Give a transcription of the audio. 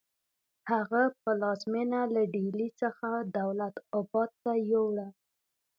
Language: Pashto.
هغه پلازمینه له ډیلي څخه دولت اباد ته یوړه.